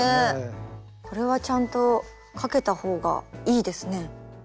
これはちゃんとかけた方がいいですね。